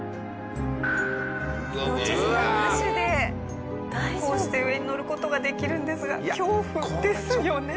命綱なしでこうして上にのる事ができるんですが恐怖ですよね。